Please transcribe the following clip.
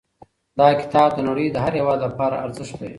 دا کتاب د نړۍ د هر هېواد لپاره ارزښت لري.